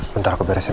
bentar aku beresin